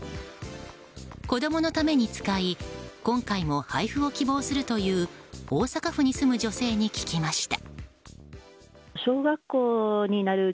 子供のために使い今回も配布を希望するという大阪府に住む女性に聞きました。